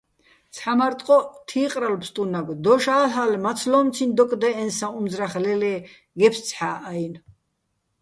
ცჰ̦ა მარ ტყო́ჸ თი́ყრალო̆ ფსტუნაგო̆: დოშ ა́ლ'ალე̆, მაცლო́მციჼ დოკდე́ჸენსაჼ უმძრახ ლელე́ გეფსცჰ̦ა́ჸ-აჲნო̆.